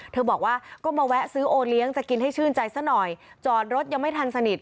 บอกว่าก็มาแวะซื้อโอเลี้ยงจะกินให้ชื่นใจซะหน่อยจอดรถยังไม่ทันสนิท